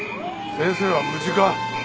先生は無事か？